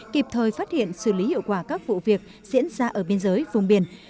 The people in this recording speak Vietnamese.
kịp thời phát hiện xử lý hiệu quả các vụ việc diễn ra ở biên giới vùng biển